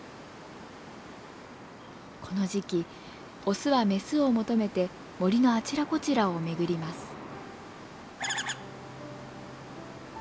この時期オスはメスを求めて森のあちらこちらを巡ります。